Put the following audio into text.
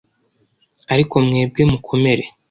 Ariko mwebwe mukomere